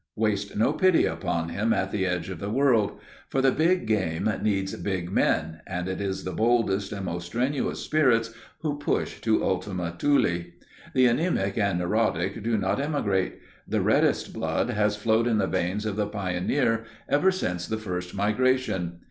Waste no pity upon him at the edge of the world. For the big game needs big men, and it is the boldest and most strenuous spirits who push to Ultima Thule. The anæmic and neurotic do not emigrate; the reddest blood has flowed in the veins of the pioneer ever since the first migration.